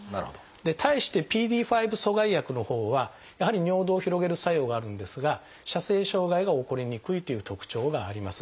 で対してＰＤＥ５阻害薬のほうはやはり尿道を広げる作用があるんですが射精障害が起こりにくいという特徴があります。